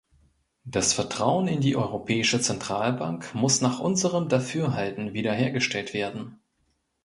Das Vertrauen in die Europäische Zentralbank muss nach unserem Dafürhalten wiederhergestellt werden.